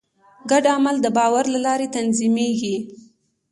ګډ عمل د باور له لارې تنظیمېږي.